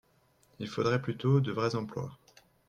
Il faudrait plutôt de vrais emplois